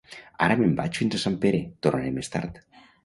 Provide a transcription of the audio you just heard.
Ara me'n vaig fins a Sant Pere, tornaré més tard